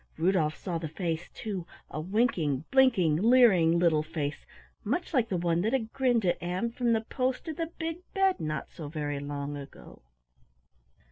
Rudolf saw the face too, a winking, blinking, leering, little face much like the one that had grinned at Ann from the post of the big bed not so very long ago.